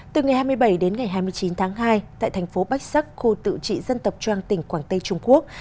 từ ngày hai mươi bảy đến ngày hai mươi chín tháng hai tại thành phố bách sắc khu tự trị dân tộc trang tỉnh quảng tây trung quốc